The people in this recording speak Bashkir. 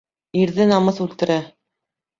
Ирҙе намыҫ үлтерә.